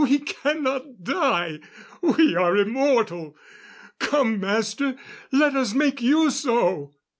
We cannot die we are immortal. Come, Master let us make you so!"